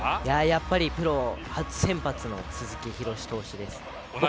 やっぱりプロ初先発の鈴木博志選手です。